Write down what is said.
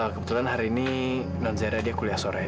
kebetulan hari ini nonzara kuliah sore